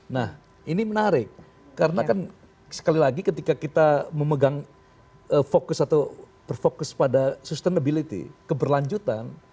nah ini menarik karena kan sekali lagi ketika kita memegang fokus atau berfokus pada sustainability keberlanjutan